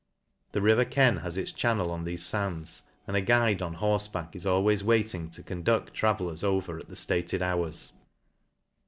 The river Ken has its channel on thefe fands, and a guide on 'horfe* back is always waiting to conduct travellers over at the ftated hours *.